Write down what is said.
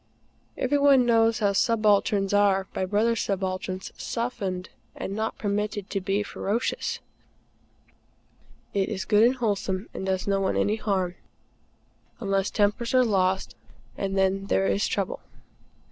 Every one knows how subalterns are, by brother subalterns, softened and not permitted to be ferocious. It is good and wholesome, and does no one any harm, unless tempers are lost; and then there is trouble.